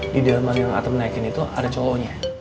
di delman yang atem naikin itu ada cowoknya